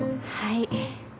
はい。